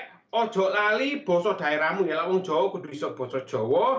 jika ada orang lain bahasa daerahmu ya kalau orang jawa aku bisa bahasa jawa